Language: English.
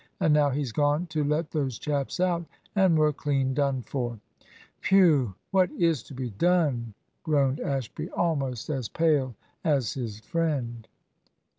And now he's gone to let those chaps out, and we're clean done for!" "Whew! what is to be done?" groaned Ashby, almost as pale as his friend.